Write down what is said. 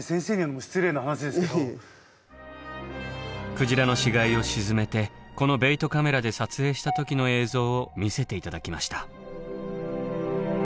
鯨の死骸を沈めてこのベイトカメラで撮影した時の映像を見せて頂きました。